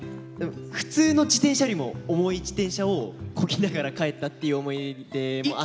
普通の自転車よりも重い自転車をこぎながら帰ったっていう思い出もあって。